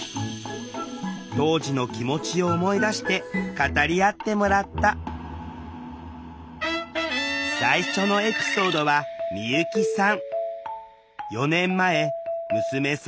当時の気持ちを思い出して語り合ってもらった最初のエピソードは美由紀さん。